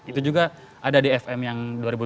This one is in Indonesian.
itu juga ada di fm yang dua ribu lima belas